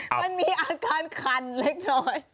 มันมีอาการคันเล็กน้อย